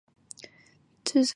打铁还需自身硬。